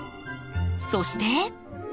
そして。